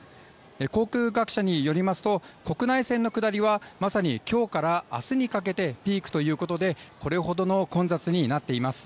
航空各社によりますと国内線の下りはまさに今日から明日にかけてピークということでこれほどの混雑になっています。